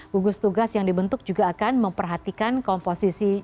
gugus tugas yang dibentuk juga akan memperhatikan komposisi